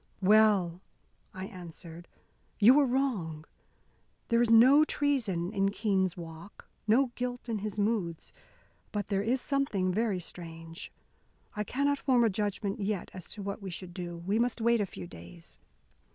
"Well!" I answered. "You were wrong. There is no treason in Keene's walks, no guilt in his moods. But there is something very strange. I cannot form a judgment yet as to what we should do. We must wait a few days.